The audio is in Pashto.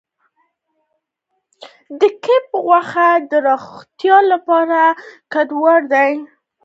د کب غوښه د روغتیا لپاره ګټوره ده.